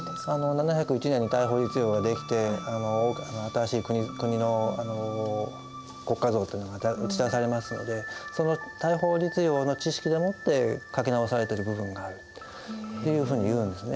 ７０１年に大宝律令が出来て新しい国の国家像というのが打ち出されますのでその大宝律令の知識でもって書き直されてる部分があるっていうふうにいうんですね。